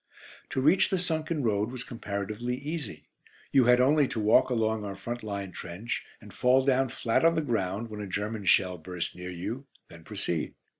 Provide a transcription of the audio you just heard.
To reach the sunken road was comparatively easy. You had only to walk along our front line trench, and fall down flat on the ground when a German shell burst near you, then proceed.